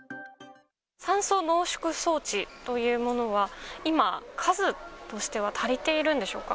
酸素濃縮装置というものは、今、数としては足りているんでしょうか。